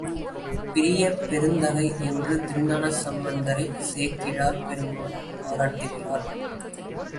பிரிய பெருந்தகை என்று திருஞானசம்பந்தரைச் சேக்கிழார் பெருமான் பாராட்டுகிறார்.